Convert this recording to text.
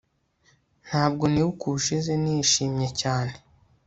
ntabwo nibuka ubushize nishimye cyane